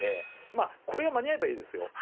まあこれが間に合えばいいですよ。